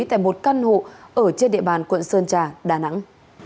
tại một căn hộ ở trên địa bàn quận sơn trà đà nẵng